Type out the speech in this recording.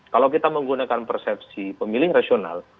kalau kita menggunakan persepsi pemilih rasional